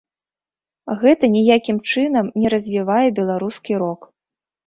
Гэта ніякім чынам не развівае беларускі рок.